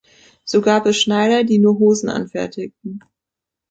So gab es Schneider, die nur Hosen anfertigten.